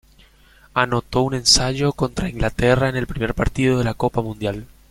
Anotó un ensayo contra Inglaterra en el primer partido de la Copa Mundial.